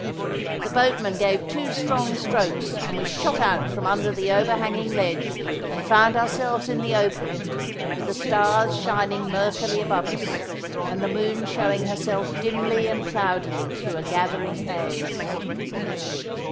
The boatmen gave two strong strokes, and we shot out from under the overhanging ledge, and found ourselves in the open with the stars shining murkily above us, and the moon showing herself dimly and cloudily through a gathering haze.